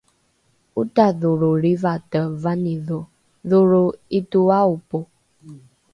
otadholro lrivate vanidho dholro ’itoaopo